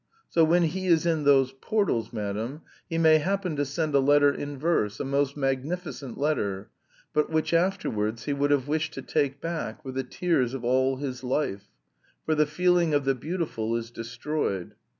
So when he is in those portals, madam, he may happen to send a letter in verse, a most magnificent letter but which afterwards he would have wished to take back, with the tears of all his life; for the feeling of the beautiful is destroyed.